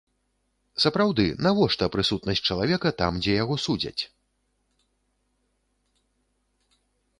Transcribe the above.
Сапраўды, навошта прысутнасць чалавека там, дзе яго судзяць?